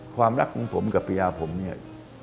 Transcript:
ความรักของผมกับภรรยาผมเนี่ย